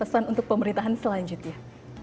pesan untuk pemerintahan selanjutnya